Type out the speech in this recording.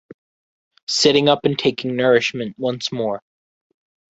Sitting up and taking nourishment once more.